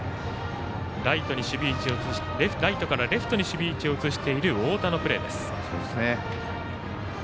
ライトからレフトに守備位置を移している太田のプレーです。